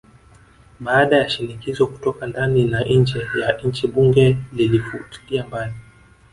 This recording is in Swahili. Baada ya shinikizo kutoka ndani na nje ya nchi bunge lilifutilia mbali